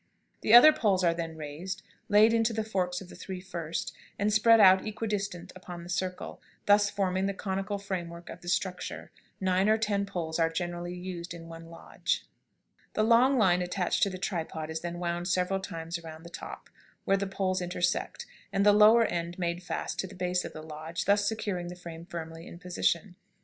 The other poles are then raised, laid into the forks of the three first, and spread out equidistant upon the circle, thus forming the conical framework of the structure. Nine or ten poles are generally used in one lodge. [Illustration: COMANCHE LODGE.] The long line attached to the tripod is then wound several times around the top, where the poles intersect, and the lower end made fast at the base of the lodge, thus securing the frame firmly in its position.